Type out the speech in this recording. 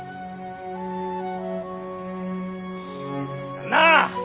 旦那！